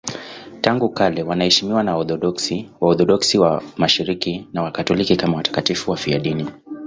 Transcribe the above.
Tangu kale wanaheshimiwa na Waorthodoksi, Waorthodoksi wa Mashariki na Wakatoliki kama watakatifu wafiadini.